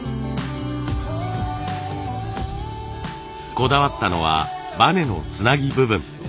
こだわったのはバネのつなぎ部分。